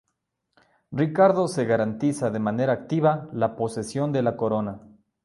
Ricardo se garantiza de manera activa la posesión de la corona.